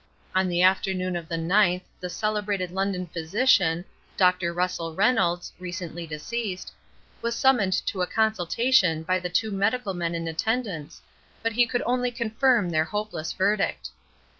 On the afternoon of the ninth the celebrated London physician, Dr. Russell Reynolds, (recently deceased), was summoned to a consultation by the two medical men in attendance, but he could only confirm their hopeless verdict.